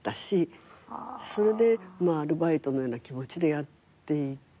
それでアルバイトのような気持ちでやっていて。